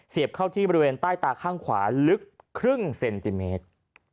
เข้าที่บริเวณใต้ตาข้างขวาลึกครึ่งเซนติเมตร